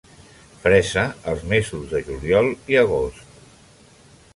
Fresa als mesos de juliol i agost.